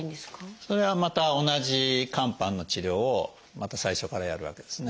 それはまた同じ肝斑の治療をまた最初からやるわけですね。